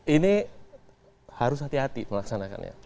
ini harus hati hati melaksanakannya